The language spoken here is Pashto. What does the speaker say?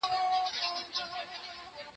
زه مخکي سړو ته خواړه ورکړي وو!.